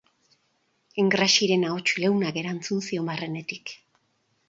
Engraxiren ahots leunak erantzun zion barrenetik.